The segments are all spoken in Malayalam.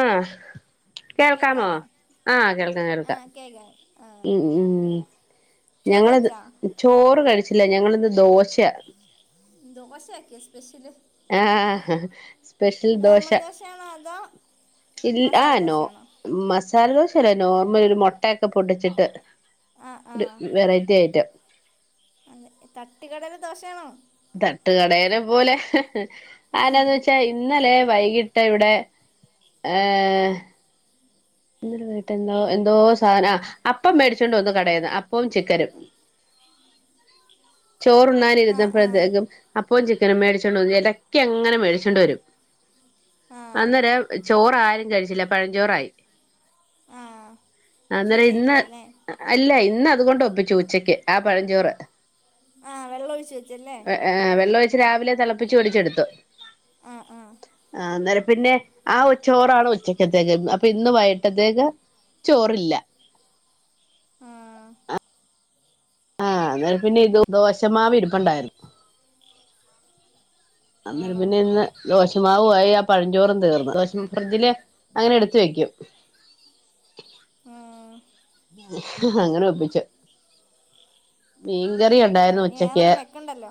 ആഹ് കേൾക്കാമോ കേക്കാവോ ആഹ് കേൾക്കാം ആ കേൾക്കാം കേക്കാം ആ ഉം ഉം ചോറ് ഞങ്ങളിത് കഴിച്ചാ ചോറ് കഴിച്ചില്ലാ ഞങ്ങളിന്ന് ദോശയാ ദോശാക്ക്യോ സ്പെഷ്യെല് ആഹ് സ്പെഷ്യൽ ദോശാ ക്കാണോ അതോ ഇല്ലാ മസാല ആ നോ ദോശയാണോ മസാലദോശല്ലാ നോർമല് ഒരു മൊട്ടയൊക്കെ പൊട്ടിച്ചിട്ട് ആ ണ്ട് വെറൈറ്റി ഐറ്റം അല്ല തട്ട്കടേലെ ദോശേണോ? തട്ട്കടേലെ പോലെ ആരാന്ന് വെച്ചാ ഇ ഇന്നലെ വൈകീട്ട് ഇവിടെ ഏഹ് ഇന്നലെ വൈകീട്ട് എന്തോ എന്തോ സാധന ആഹ് അപ്പം മേടിച്ചാേണ്ട് വന്ന് കടേന്ന് അപ്പവും ചിക്കനും ആ ആ ചോറുണ്ണാനിര്ന്നപ്പഴത്തേക്കും അപ്പോം ചിക്കനും മേടിച്ചോണ്ട് വെന്ന് എടക്കങ്ങനെ മേടിച്ചോണ്ട് വെരും ആ അന്നെരം ചോറാരും കഴിച്ചില്ല പഴഞ്ചോറായി ആ അന്നേരം ഇന്ന് ചീത്തയായിപ്പോയല്ലേ അല്ല ഇന്ന് അതുകൊണ്ട് ഒപ്പിച്ചു ഉച്ചക്ക് ആഹ് പഴംഞ്ചോറ് ആഹ് വെള്ളൊം ഒഴിച്ച് വെച്ച് അല്ലേ ആഹ് വെള്ളൊഴിച്ച് രാവിലെ തെളപ്പിച്ച് ഒലിച്ചെട്ത്തു ആഹ് ആഹ് ആഹ് അന്നേരം പിന്നെ ആ ഉ ച്ചോറാണ് ഉച്ചക്കത്തേക്ക് അപ്പൊ ഇന്ന് വൈ പ്രത്യേക ചോറില്ലാ ആഹ് ആഹ് അന്നേരം പിന്നെ ഇതു ദോശമാവ് ഇരിപ്പാെണ്ടായ്ര്ന്നു അന്നേരം ആണോ പിന്നെ ഇന്ന് ദോശുമാവു ആയി ആ പഴഞ്ചോറും തീർന്ന് ദോശ ഫ്രിഡ്ജ്ല് അങ്ങനെ എട്ത്ത് വെക്കും ആ ആ, അങ്ങെനെ ഒപ്പിച്ചു മീൻകറി ഉണ്ടായിരുന്നു ഇനി വേറെ ഉച്ചക്ക്. ഒന്നും വെക്കണ്ടല്ലോ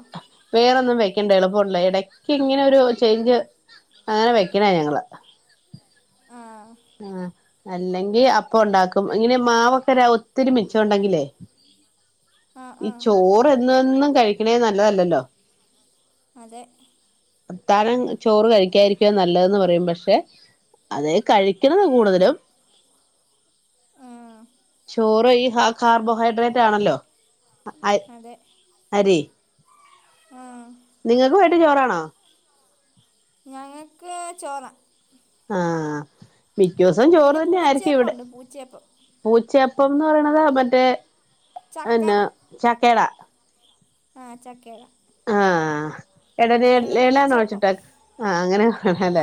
വേറൊന്നും വെയ്ക്കണ്ട എളുപ്പമുണ്ടെ ഇടയ്ക്ക് ഇങ്ങനെ ഒരു ചെയ്ഞ്ച് അങ്ങനെ വെയ്ക്കണ ഞങ്ങള് ആഹ് ആഹ് അല്ലെങ്കി അപ്പം ഒണ്ടാക്കും ഇങ്ങനെ മാവൊക്കെ ര ഒത്തിരി മിച്ചം ഒണ്ടെങ്കിലേ ആ ഈ ആ ചോറ് എന്നും എന്നും കഴിക്ക്ണേ നല്ലതല്ലല്ലോ അതെ അത്താഴം ചോറ് കഴിക്കാതിരിക്കുവാ നല്ലതെന്ന് പറയും പക്ഷെ അതേ കഴി ക്ക്ത്‌ന്ന് കൂട്തലും ആ ചോറു ഈ ഹ കാർബോ ഹൈഡ്രേറ്റാണല്ലോ അ അരി ആഹ് നിങ്ങൾക്ക് വൈകിട്ട് ചോറാണോ? ഞങ്ങൾക്ക് ചോറാ. ആ മിക്ക ദിവസവും ചോറ് പിന്നെ തന്നെ ആയിരിക്കും പൂച്ചയപ്പം ഇവിടെ. ഉണ്ട് പൂച്ചയപ്പം പൂച്ചയപ്പംന്നറിണത് മറ്റേ ചക്ക യെന്നാ ചക്കേട ആ ചക്കേട ആ.... എടന എലായിലാണോ പൂച്ചയപ്പം വെച്ചിട്ട് ആ അങ്ങനെ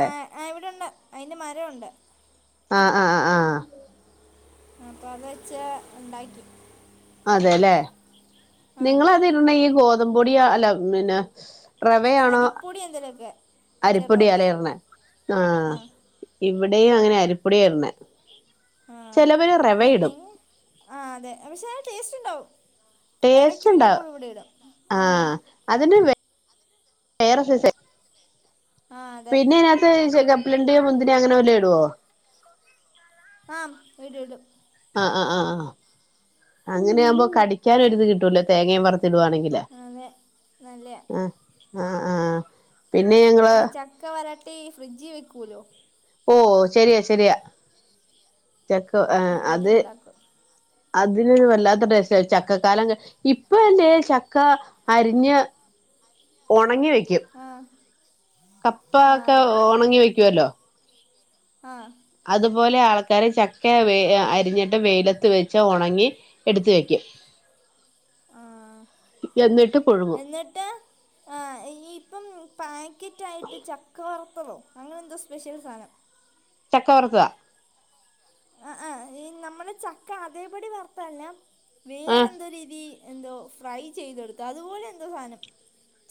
ആ ആ, ഇവിടെ ഉണ്ട് അതിൻ്റെ മരമുണ്ട് ആ ആ ആ അപ്പോൾ അത് വെച്ച് ഉണ്ടാക്കി. അതെലെ ആ നിങ്ങളതിട്ണ ഈ ഗോതമ്പുപൊടി അല്ല പിന്നെ റവയാണോ അരിപ്പൊടി എന്തെങ്കിലുമൊക്കെ അരിപ്പൊടി ചെറുതായിട്ട് എലെ ഇട്ണേ ചേർക്കും ആഹ് ആ ഇവിടെയും അങ്ങനെ അരിപ്പൊടി ഇട്ണേ ആ ഇല്ലെങ്കിൽ ആ അതെ പക്ഷേ, അതിന് ടേസ്റ്റ് ഉണ്ടാവും. ഇടയ്ക്ക് ടേസ്റ്റ് ഉണ്ടാവും വല്ലപ്പോഴും ഇവിടെ ഇടും, ആ ആഹ് അതിന് വെ വേറെ സൈസെ ആ അതെ പിന്നെ അതിനകത്ത് കപ്പലണ്ടിയൊ മുന്തിരി അങ്ങനെ വല്ലോം ഇടുവോ? ആഹ് ഇട് ടും ആ ആ ആ ആ അങ്ങനെ ആകുമ്പോ കടിക്കാൻ ഒരിത് കിട്ടുവല്ലോ തേങ്ങയും വറുത്ത് ഇടുവാണെങ്കില് അതെ നല്ല അഹ് ആഹ് ആഹ് ആഹ് പിന്നെ ഞങ്ങ ഈ ചക്ക വരട്ടി ഈ ഫ്രിഡ്ജിൽ വെക്കൂലോ. ഓഹ് ശരിയാ ശരിയാ ചക്ക ആ എന്നിട്ട് അത് ഉണ്ടാക്കും അതിനൊരു വല്ലാത്ത ടേസ്റ്റാ ചക്കകാലം, ഇപ്പഴല്ലേ ചക്ക അരിഞ്ഞ്, ഉണങ്ങി വെയ് ആ കപ്പ ഒക്കെ ആഹ് ഉണങ്ങി വെക്കുവല്ലോ. ആ. അതുപോലെ ആൾക്കാരു ചക്ക വെ അരിഞ്ഞിട്ട്, വെയിലത്ത് വെച്ച് ഉണങ്ങി. എടുത്ത് വെയ്ക്കും [inaudible] ആ, എന്നിട്ട് പുഴുങ്ങും എന്നിട്ട് ഇനി ഇപ്പം പാക് കിറ്റായിട്ട് ചക്ക വറുത്തതോ, അങ്ങനെ എന്തോ സ്പെഷ്യൽ സാധനം. ചക്ക വറുത്തതാ. അഹ് ആഹ് ഈ നമ്മൾ ചക്ക അതേപടി വർത്തതല്ല വേറെ ആഹ് എന്തോ രീതി എന്തോ ഫ്രൈ ചെയ്തെടുത്തു അതുപോലെ എന്തോ സാധനം.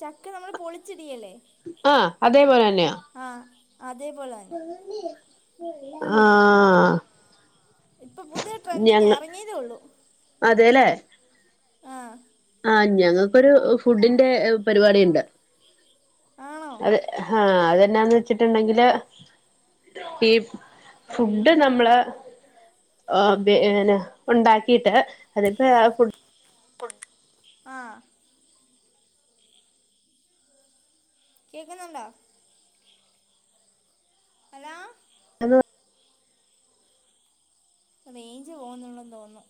ചക്ക നമ്മൾ പൊളിച്ചിടിയേലെ. ആ അതേപോലെ തന്നെയാ. ആഹ് അതേ പോലെ തന്നെ. ആഹ് ഇപ്പൊ പുതിയ ട്രെൻഡിങ്ങാ ഞങ്ങ ഇറങ്ങിയതേ ഉള്ളൂ, അതേല്ലേ ആ ആഹ് ഞങ്ങൾക്കൊരു ഫുഡിന്റെ പരിപാടി ഉണ്ട് ആണോ ഹാ അത് എന്നാന്ന് വെച്ചിട്ടുണ്ടെങ്കില് ഈ ഫുഡ്ഡ് നമ്മള് പിന്നെ ഉണ്ടാക്കിയിട്ട് അതിപ്പോ [inaudible] ആ കേൾക്കുന്നുണ്ടോ? ഹലോ! അത് റേഞ്ച് പോകുന്നുണ്ടെന്ന് തോന്നുന്നു.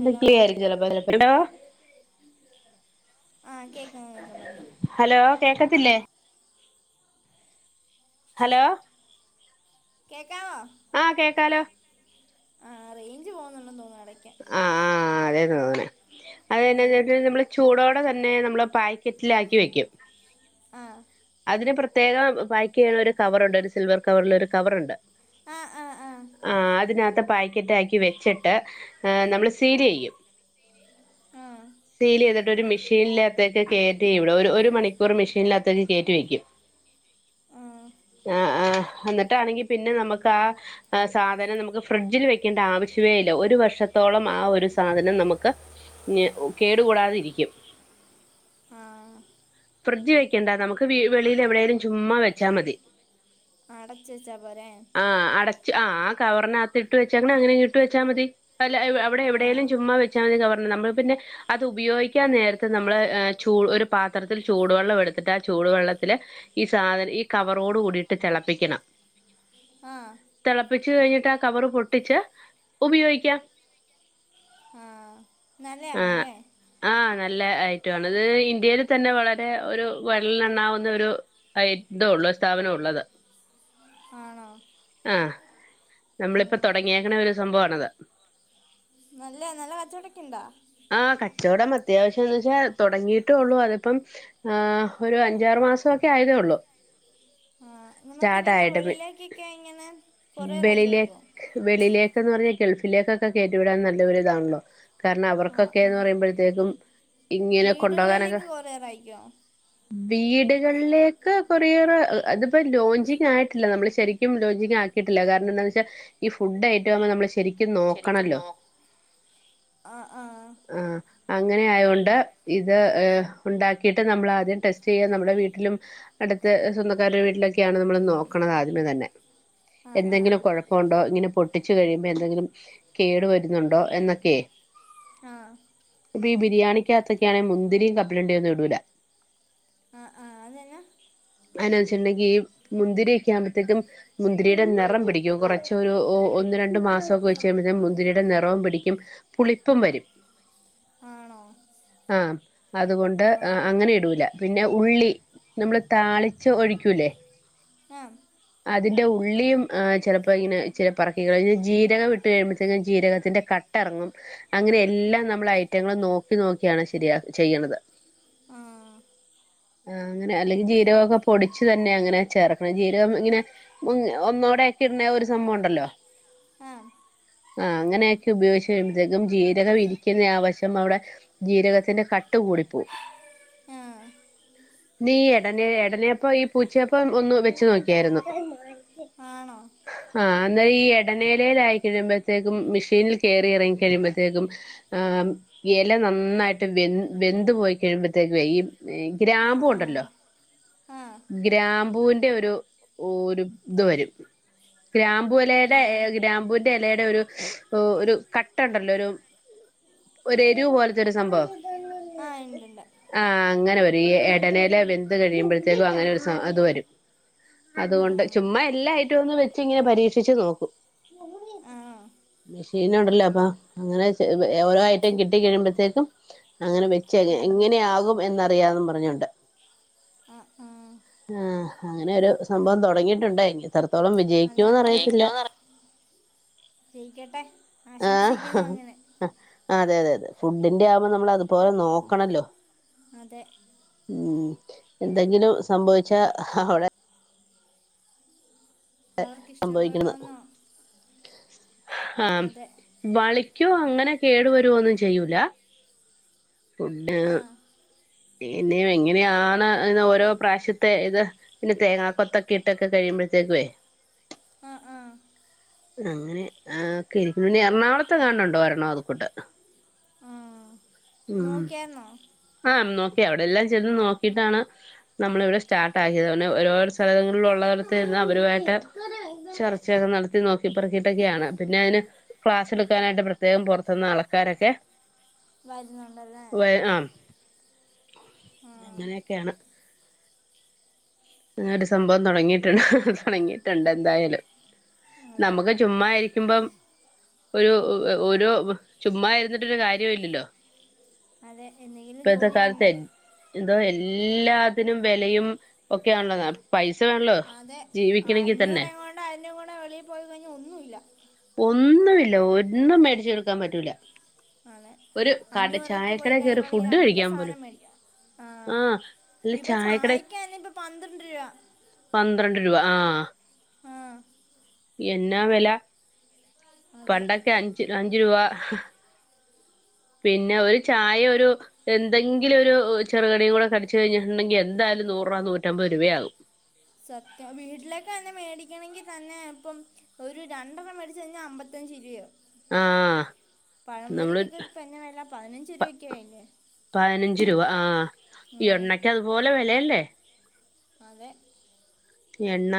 ഹലോ ആയിരിക്കല്ലോ പോ--ഹലോ [unintelligible] ആഹ് കേക്കാം കേക്കാം പറഞ്ഞോ. ഹലോ കേക്കത്തില്ലേ ഹലോ കേക്കാവോ. ആഹ് കേക്കാലോ ആഹ് റേഞ്ച് പോകുന്നുണ്ട് തോന്നുന്നു ഇടയ്ക്ക് ആഹ് ആഹ് അതേന്നാ തോന്നണെ അത് എന്നാന്ന് ചോദിച്ചാ ആ നമ്മള് ചൂടോടെ തന്നെ നമ്മള് പായാക്കറ്റിലാക്കി വെക്കും. ആഹ് അതിന് പ്രത്യേകം പാക്ക് ചെയ്യാള്ളൊര് കവറുണ്ട് ഒരു സിൽവർ കവറ്‌ല് ഒരു കവറ്ണ്ട്. ആഹ് ആഹ് ആഹ് ആഹ് അതിനകത്ത് പാക്കറ്റ് ആക്കി വെച്ചിട്ട് നമ്മൾ സീൽ ചെയ്യും ആഹ് സീൽ ചെയ്തിട്ട് ഒരു മെഷീനില്ലാത്തേക്ക് കേയറ്റി ഇവിടെ ഒരു ഒരു മണിക്കൂ കുർ മെഷീനകാത്ത ക് കയറ്റി വെക്കും ആഹ് ആഹ് എന്നിട്ടാണെങ്കി പിന്നെ നമുക്ക് ആഹ് ആ സാധനം നമുക്ക് ഫ്രിഡ്ജിൽ വെക്കേണ്ട ആവശ്യമേ ഇല്ല ഒരു വർഷത്തോളം ആ ഒരു സാധനം നമുക്ക്. ന് കേടു കൂടാതിരിക്കും ആഹ് ഫ്രിഡ്ജ് വക്കണ്ട നമക്ക് വെളിൽ എവിടെോയാലും ചുമ്മാ വെച്ചാ മതി അടച്ച് വെച്ചാ പോരേ ആഹ് അടച്ച്ച് ആഹ് കവറിനകത്തി ഇട്ട് വെച്ചങ്ങനെ അങ്ങനെ ഇങ്‌ ഇട്ട് വെച്ചാൽ മതി അല്ലഅവിടെ ആ എവിടേലും ചുമ്മാ വെച്ചാമതി കവർ നമ്മൾ പിന്നെ അത് ഉപയോഗിക്കാൻ നേരത്ത് നമ്മൾ ചൂ ഒരു പാത്രത്തിൽ ചൂടുവെള്ളം എടുത്തിട്ട് ആ ചൂടുവെള്ളത്തില് ഈ സാധന ഈ കവറോട് കൂടിട്ട് തിളപ്പിക്കണം ആഹ് തിളപ്പിച്ച് കഴിഞ്ഞിട്ട് ആഹ് കവറ് പൊട്ടിച്ച് ഉപയോഗിക്കാം ആഹ് നല്ല ആഹ് യാണല്ലേ ആഹ് നല്ല ഐറ്റ മാണ് ത് ഇത് ഇന്ത്യൽ തന്നെ വളരെ ഒരു വരലിനണ്ണാവുന്ന ഒരു ഉള്ള സ്ഥാപനം ഉള്ളത് ആണോ ആ നമ്മളിപ്പം ഉം. തുടങ്ങിയേക്ക്ണ ഒരു സംഭവാണ്ത് നല്ല നല്ല കച്ചവടൊക്കെ ഉണ്ടോ ആഹ് കച്ചവടം അത്യാവശ്യംന്ന് വെച്ചാൽ തുടങ്ങിയിട്ടേ ഉള്ളു അതിപ്പം ആഹ് ഒരു അഞ്ചാറ് മാസൊക്കെ ആയതേ ഉള്ളൂ ആ സ്റ്റാർട്ട് നമുക്കിങ്ങനെ ആയിട്ട് വെളിയിലേക്കൊക്കെ എങ്ങനെ കൊറിയറ് അയച്ചു കൊടുക്കോ വെളിയിലേക്കന്ന് പറഞ്ഞാൽ ഗൾഫിലേക്കൊക്കെ കേറ്റുവിടാൻ നല്ലൊരുരിതാണല്ലോ കാരണം ആ ആ അവർക്കൊക്കെന്ന് പറയുമ്പോള് ത്തേക്കും ഇങ്ങനെ കൊണ്ടാ കാനൊക്കെ വീടുകളിലേക്ക് കൊറിയർ അയക്കുമോ വീടുകളിലേക്ക് കൊറിയർ അതിപ്പോ ലോഞ്ചിങ് ആയിട്ടില്ല നമ്മള് ശെരിക്കും ക്ക്യും ലോൺച്ചിങ് ആക്കിട്ടില്ല കാരണം എന്താന്ന് വെച്ചാ ഈ ഫുഡ് ഏറ്റവ [unintelligible] നമ്മൾ ശെ ശരിക്കും നോ ആഹ് ആഹ് ആഹ് അങ്ങനെ ആയുകൊണ്ട് ഇത് ഉണ്ടാക്കിയിട്ട് നമ്മൾ ആദ്യം ടെസ്റ്റ് ചെയ്യാ നമ്മുടെ വീട്ടിലും അടുത്ത് സ്വന്തക്കാരുടെ വീട്ടിലൊകെ ക്കെയാണ് നമ്മൾനോക്ക്ണത് ആദ്യമേ തന്നെ ആ ആ എന്തെങ്കിലും കുഴപ്പ പ്പോ ണ്ടോ ഇങ്ങനെ പൊട്ടിച്ചു കഴിയുമ്പോ എന്തെങ്കിലും കേടു വരുന്നുണ്ടോ എന്നൊക്കെ ആഹ് പ്പി ഈ ബിരിയാണി ക്കകത്തൊക്കെയണെ മുന്തിരിം കപ്പലണ്ടി ഒന്നും ഇടൂല ആഹ് ആഹ് അതന്നാ അഎന്നാചണ്ടങ്കി മുന്തിരിയൊക്കെ ആകുമ്പോഴത്തേക്കും മുന്തിരിയുടെ നിറം പിടിക്കും കുറച്ചൊരു ഓ ഒന്ന് രണ്ട് മാസമൊക്കെ വെച്ച് കഴിഞ്ഞാ മുന്തിരിയുടെ നിറവും പിടിക്കും പുളിപ്പും വരും ആണോ. ആഹ് അതുകൊണ്ട് ആ അങ്ങനെ ഇടൂല. പിന്നെ ഉള്ളി നമ്മള് താളി ച്ച് ഒഴിക്കൂലേ ആ അതിന്റെ ഉള്ളം ആഹ് ചെലപ്പോ ഇങ്ങനെ ചില പറക്കികൾ ജീരകം ഇട്ട് കഴിയുമ്പത്തേക്കും ജീരകത്തിന്റെ കട്ടറങ്ങും. അങ്ങനെ എല്ലാം നമ്മള് ഐറ്റങ്ങള് നോക്കി നോക്കിയാണ് ശരിയാ ചെയ്യണത് ആഹ് ആഹ് അങ്ങനെ അല്ലെങ്കിൽ ജീര കൊക്കെ പൊടിച്ചു തന്നെ അങ്ങനെ ചേർക്കണം ജീരകം ഇങ്ങനെ മുന്ന് ഒന്നൂടെ ഒക്കെ ഇടണെ ഒരു സംഭവണ്ടല്ലോ ആ ആ ആഹ് അങ്ങനെയൊക്കെ ഉപയോഗിച്ച് കഴിയുമ്പത്തേക്കും ജീ രകം ഇരിക്ക്യുന്നയ വശം അവിടെ ജീരകത്തിന്റെ കട്ട് കൂടി പോവും. ആഹ്. നീ എടനെ എടനേപ്പ ഈ പൂച്ചയപ്പം ഒന്ന് വെച്ചു നോക്കിയായിരുന്നു. ആണോ. ആഹ് അന്നേര ഈ ഇടനേലേലായി കഴിയുമ്പത്തേക്കും മിഷീനിൽ കേറി എറങ്ങി കഴിയുമ്പ- പെയ്തും ആഹ് യെല നന്നായിട്ട് വെൻ വെന്ത് പോയി കഴിയുമ്പഴത്തേക്ക്വയ് ഈ ഈ ആ ഗ്രാമ്പു ആ ഉണ്ടല്ലോ. ആ ഗ്രാമ്പൂന്റെ ഒര് ഓരു ത് വരും ഗ്രാമ്പു ആ എലയടെ ഗ്രാമ്പുവിന്റെ എലയടെ ഒരു ഒരു കട്ടണ്ടല്ലോ ഒരു ഒരെരു പോൽത്തൊരു സംഭവം. ആഹ് ഇണ്ട്ണ്ട് ആഹ് അങ്ങനെ വരും. ഈ എടനയില വെന്ത് കഴിയുമ്പഴത്തേക്കും അങ്ങനെ ഒരു സ അത് വരും ആ അതുകൊണ്ട് ചുമ്മാ എല്ലാ ഐറ്റം ഒന്ന് വെച്ച്ങ്ങനെ പരീക്ഷിച്ച് നോക്കു. ആ മെഷീൻ ഉണ്ടല്ലോ അപ്പ അങ്ങനെ ചെ ഓരോ ഐറ്റം കിട്ടിക്കഴിയുമ്പഴത്തേക്കും. അങ്ങനെ വെച്ച് ആ കയ്ഞ ആ എങ്ങനെയാകും എന്നറിയാന്നും പറഞ്ഞോണ്ട്. അഹ് ആഹ് ആഹ് അങ്ങനെ ഒരു സംഭവം തൊടങ്ങിയിട്ടുണ്ട്. എത്രത്തോളം വിജയിക്കൂന്ന് അതങ്ങനെ ഒരു- അറിയത്തില്ല ജയിക്കുമെന്ന് പറ ജയിക്കട്ടെ ആശംസിക്കുന്നു അങ്ങനെ. ആഹ് അതെ അതെ അതെ ഫുഡിന്റെ ആവുമ്പോ നമ്മളതുപോലെ നോക്കണല്ലോ അതെ ഉം എന്തെങ്കിലും സംഭവിച്ച അവിടെ അവർക്ക് സംഭവിക്കുന്നത് ഇഷ്ടപ്പെടുമെന്നോ ഹ് ആം അതെ വളിക്യോ അങ്ങനെ കേടുവരുവൊന്നും ചെയ്യൂല ഫുഡ് ആ ഇനി എങ്ങനെയാണ് എന്ന് ഓരോ പ്രാവശ്യത്തെ ഇത് പിന്നെ തേങ്ങാ കൊത്തൊക്കെ ഇട്ടൊക്കെ കഴിയുമ്പത്തേക്കുവേ അ ആഹ് അങ്ങനെ ആ ഒക്കെരിക്ക്ണു പിന്നെറണാകുളത്തെങ്ങാണ്ടുണ്ടോ ഒരെണ്ണ അത് കൂട്ട് ആഹ് ഉം ആ നോക്കി അവിടെല്ലാം ചെന്ന് നോക്കീട്ടാണ്. നമ്മളിവിടെ സ്റ്റാർട്ട് ആക്കിയതാണ്. ഒരുപാട് സ്ഥലങ്ങളിലുള്ള ഉള്ളടത്തു നിന്ന് അവരുവായിട്ട് ചർച്ചയൊക്കെ നടത്തി നോക്കി പർക്കിട്ടൊക്കെയാണ് പിന്നെ അതിന്. ക്ലാസ്ടുക്കാനായിട്ട് പ്രത്യേകം പുറത്തുന്ന് ആൾക്കാരൊക്കെ വരുന്നുണ്ടല്ലേ ആം ആ അങ്ങനെയൊക്കെയാണ്. അങ്ങനെരു സംഭവം തൊടങ്ങിട്ട് തൊടങ്ങിട്ട്ണ്ട് എന്തായലും അതെ നമുക്ക് ചുമ്മാരി ക്യുമ്പം ഒരു ഓരു ചുമ്മാ ഇരുന്നിട്ടൊരു കാര്യവു ഇല്ലല്ലോ. അതെ എന്തെങ്കില്. ഇപ്പഴത്തെ കാലത്തെ എന്തോ എല്ലാത്തിനും വെലയും ഒക്കെയാണെന്നതാണ്. പൈസ വേൺല്ലോ ജീവിക്കണെങ്കി തന്നെ [unintelligible] വെളീ പോയി കയിഞ്ഞാ ഒന്നൂല്ല ഒന്നുമില്ല ഒന്നും മേടിച്ച് കൊടുക്കാൻ പറ്റൂല. അതെ ഒരു കട അഞ്ഞൂറക്ക് ചായക്കട കയറി പോയിക്കയിഞ്ഞിട്ടുണ്ടെങ്കി ഫുഡ് രണ്ട് കഴിക്കാൻ പോലും സാനം മേടിക്ക. ആഹ് അല്ല ഇപ്പ ചായക്കട ചായക്കെന്നെപ്പ പന്ത്രണ്ട് രൂവ പന്ത്രണ്ട് രൂപ ആഹ് ആഹ് എന്നാ വെല അതെ പണ്ടൊക്കെ അഞ്ച് അഞ്ച് രൂവ പിന്നെ ഒരു ചായൊരു എന്തെങ്കിലൊരു ചെറുകടിയുകൂടെ കടിച്ച് കഴിഞ്ഞിട്ട്ണ്ടെങ്കി എന്തായാലും നൂറ് രൂപ നൂറ്റമ്പത് രൂപയാകും. സത്യം വീട്ടിലേകന്നെ മേടിക്കണെങ്കി തന്നെ ഇപ്പം ഒരു രണ്ടെണ്ണം മേടിച്ച് കഴിഞ്ഞാ അമ്പ ത്തഞ്ച് [unintelligible] ആഹ് പഴം നമ്മള് പൊരിക്കൊക്കെ പ്പെന്ന വെല പതിനഞ്ച് രൂപൊക്കായില്ലെ പയ്നഞ്ച് രൂപ ആഹ് എണ്ണക്കതുപോലെ വെലയല്ലെ അതെ എണ്ണ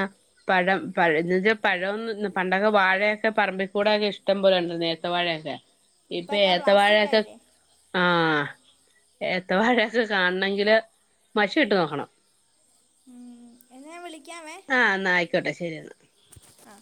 പഴം പഴന്നച്ച പഴം ന്ന് ന്ന് പണ്ടൊക്കെ വാഴെക്കെ പറമ്പിക്കൂടെ ഞഷ്ടം പോലെണ്ട് ന്നേ ത്ത വാഴയൊക്കെ ഇപ്പൊ ഇപ്പൊക്കെ ഏത്ത പ്ലാസ്റ്റിക് വാഴയൊക്കെ ആയില്ലേ ആഹ് ഏത്തവാഴയൊക്കെ കാൺണെങ്കില് മശിട്ട് നോക്കണം ഉം എന്ന ഞാ വിളിക്കാവേ ആഹ് ന്നായിക്കോട്ടെ ശരിയെന്നാ അഹ്